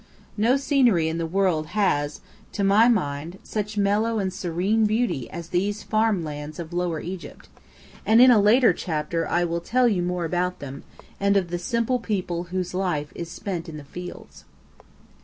No scenery in the world has, to my mind, such mellow and serene beauty as these farm lands of Lower Egypt, and in a later chapter I will tell you more about them, and of the simple people whose life is spent in the fields.